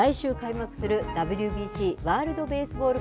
中継は来週開幕するＷＢＣ・ワールドベースボール